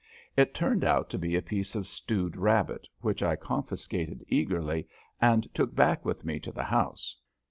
It turned out to be a piece of stewed rabbit, which I confiscated eagerly and took back with me to the house.